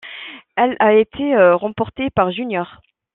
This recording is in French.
Elle a été remportée par Junior.